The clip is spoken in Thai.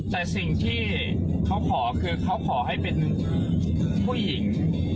แต่สิ่งที่เขาขอคือเขาขอให้เป็นผู้หญิง